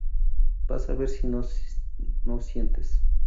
Vas a ver si no sientes.